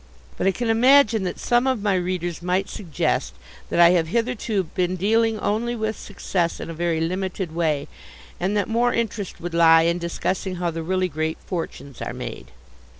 But I can imagine that some of my readers might suggest that I have hitherto been dealing only with success in a very limited way, and that more interest would lie in discussing how the really great fortunes are made.